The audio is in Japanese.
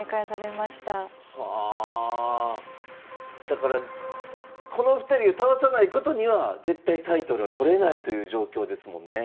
だからこの２人を倒さないことには絶対タイトルは取れないという状況ですもんね。